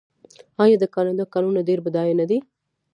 آیا د کاناډا کانونه ډیر بډایه نه دي؟